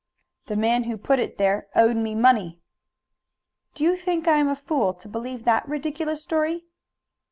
"The man who put it there owed me money." "Do you think I am a fool, to believe that ridiculous story?"